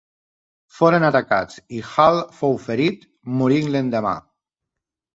Foren atacats i Hall fou ferit, morint l'endemà.